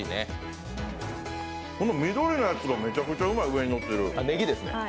この緑のやつがめちゃくちゃうまい、上にのってる。